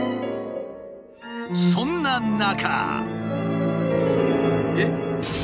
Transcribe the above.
そんな中。